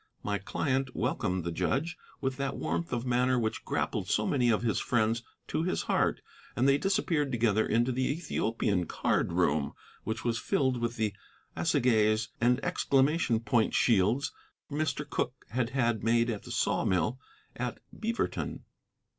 My client welcomed the judge with that warmth of manner which grappled so many of his friends to his heart, and they disappeared together into the Ethiopian card room, which was filled with the assegais and exclamation point shields Mr. Cooke had had made at the Sawmill at Beaverton.